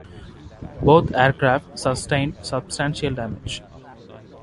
Both aircraft sustained substantial damage.